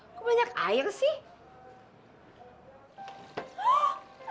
kok banyak air sih